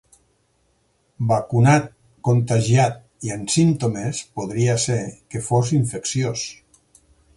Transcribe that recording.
Vacunat, contagiat i amb símptomes, podria ser que fos infecciós.